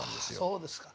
そうですか。